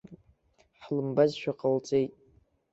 Ҳлымбазшәа ҟалҵеит.